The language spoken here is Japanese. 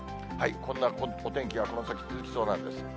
こんなお天気がこの先、続きそうなんです。